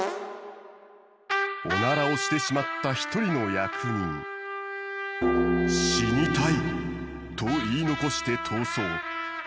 オナラをしてしまった一人の役人。と言い残して逃走。